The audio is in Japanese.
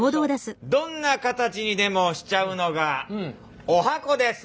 「どんな形にでもしちゃうのが十八番です」。